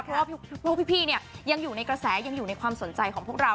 เพราะว่าพวกพี่เนี่ยยังอยู่ในกระแสยังอยู่ในความสนใจของพวกเรา